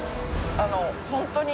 あのホントに。